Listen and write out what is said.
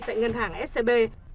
tại ngân hàng scb